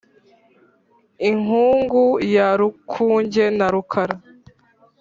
inkungu ya rukuge na rukara,